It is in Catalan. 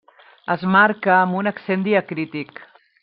Es marca amb un accent diacrític.